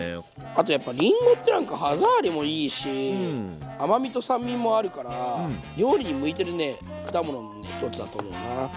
あとやっぱりんごってなんか歯触りもいいし甘みと酸味もあるから料理に向いてるね果物の一つだと思うな。